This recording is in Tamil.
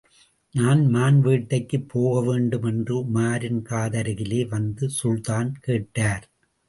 நான் மான் வேட்டைக்குப் போக வேண்டும் என்று உமாரின் காதருகிலே வந்து சுல்தான் கேட்டார்.